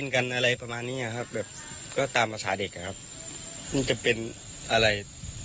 ก็ก็ตามภาษาเด็กแล้วมันจะเป็นอะไร